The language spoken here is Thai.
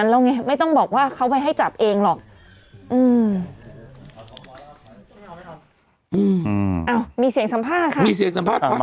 อ่ะหลวงปู่หลวงปู่เราไม่ได้กินเราจะไปบีบคอท่านกินได้ไหมล่ะ